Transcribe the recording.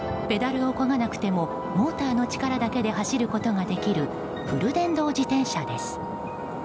ペダルを漕がなくてもモーターの力だけで走ることができるフル電動自転車です。